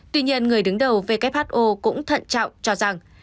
tuy nhiên người đứng đầu who cũng thận trọng cho rằng